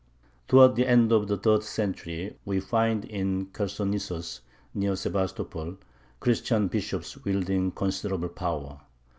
Towards the end of the third century we find in Chersonesus, near Sevastopol, Christian bishops wielding considerable power.